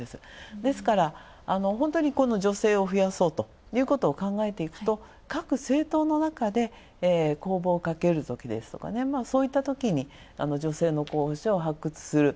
ですから、本当に、女性を増やそうということを考えていくと、各政党のなかで、公募をかけるときですとかそういったときに女性の候補者を発掘する。